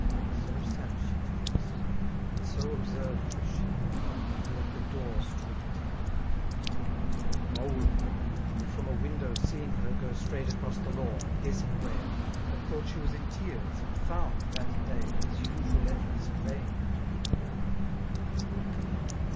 So^sat she fixed j and so observed was she Of one, who at the door stood tenderly, — Patdo, — who from a window seeing her , lb Go strait across the lawn, and guessing where. Had thought she was in tears, and found, that day^ His usual efforts vain to keep away.